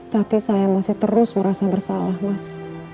tapi saya masih terus merasa bersalah mas